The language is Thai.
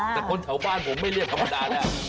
แต่คนแถวบ้านผมไม่เรียกธรรมดาแล้ว